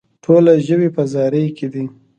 ټوله ژوي په زاري کې دي.